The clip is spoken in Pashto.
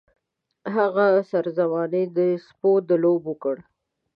هغه سر زمانې د سپو د لوبو کړ.